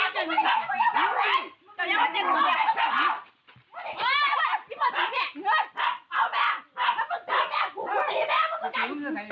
สวยสวยสวย